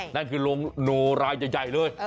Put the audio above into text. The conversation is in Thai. นั่นคือโรงโนรายใหญ่เลย